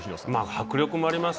迫力もありますし